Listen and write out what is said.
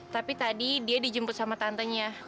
tapi tadi dia dijemput sama tantenya